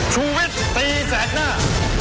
ชุวิตตีแสกหน้า